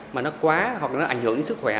mà nó quá hoặc nó ảnh hưởng đến sức khỏe